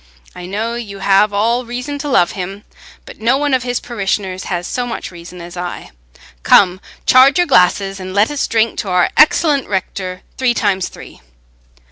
I know you have all reason to love him, but no one of his parishioners has so much reason as I. Come, charge your glasses, and let us drink to our excellent rector—three times three!"